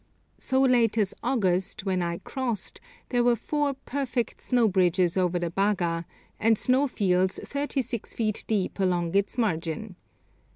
So late as August, when I crossed, there were four perfect snow bridges over the Bhaga, and snowfields thirty six feet deep along its margin.